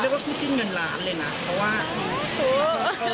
เรียกว่าคุ้กจิ้นเงินหลานเลยน่ะเพราะว่า